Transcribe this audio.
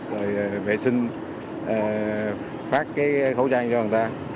rồi vệ sinh phát khẩu trang cho người ta